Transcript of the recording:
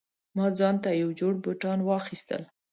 ما ځانته یو جوړ بوټان واخیستل